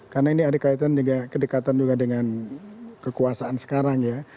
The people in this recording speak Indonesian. karena ini ada kaitan dengan kedekatan juga dengan kekuasaan sekarang ya